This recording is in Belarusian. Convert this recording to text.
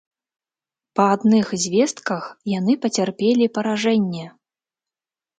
Па адных звестках, яны пацярпелі паражэнне.